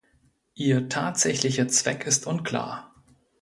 Ihr tatsächlicher Zweck ist unklar.